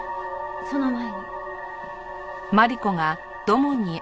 その前に。